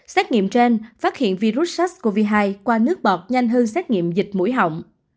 xét nghiệm trên phát hiện virus sars cov hai qua nước bọt nhanh hơn xét nghiệm dịch mũi họng